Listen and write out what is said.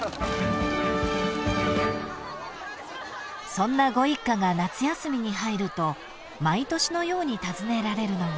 ［そんなご一家が夏休みに入ると毎年のように訪ねられるのが］